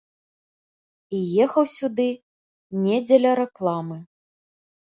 І ехаў сюды не дзеля рэкламы.